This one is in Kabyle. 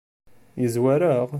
Yezwar-aɣ?